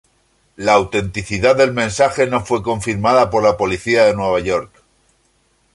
La autenticidad del mensaje no fue confirmada por la policía de Nueva York.